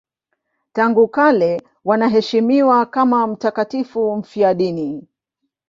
Tangu kale wanaheshimiwa kama mtakatifu mfiadini.